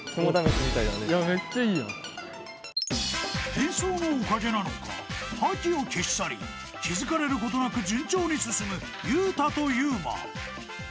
［変装のおかげなのか覇気を消し去り気付かれることなく順調に進むゆうたとゆうま］